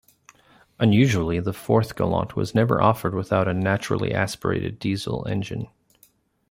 Unusually, the fourth Galant was never offered with a naturally aspirated diesel engine.